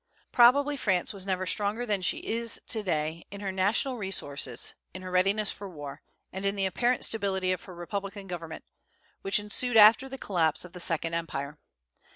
Probably France was never stronger than she is to day in her national resources, in her readiness for war, and in the apparent stability of her republican government, which ensued after the collapse of the Second Empire.